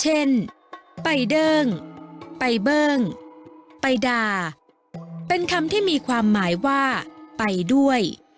เช่นไปเดิ้งไปเบิ้งไปด่าเป็นคำที่มีความหมายว่าไปด้วย